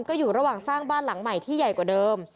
ก็อยู่ระหว่างสร้างบ้านหลังใหม่ที่ใหญ่กว่าเดิม